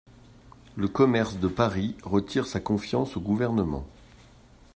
Le commerce de Paris retire sa confiance au gouvernement.